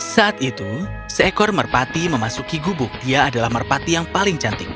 saat itu seekor merpati memasuki gubuk dia adalah merpati yang paling cantik